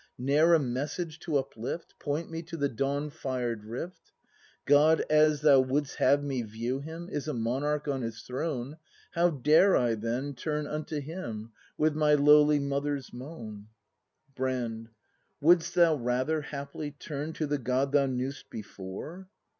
Ne'er a message to uplift. Point me to the dawn fired rift? God, as thou wouldst have me view Him, Is a monarch on His throne. How dare I, then, turn unto Him With my lowly mother's moan? Brand. Wouldst thou rather, haply, turn To the God thou knew'st before?